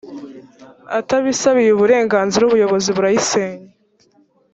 atabisabiye uburenganzira ubuyobozi burayisenya